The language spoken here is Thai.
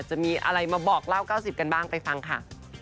จะมีอะไรมาบอกเล่า๙๐กันบ้างไปฟังค่ะ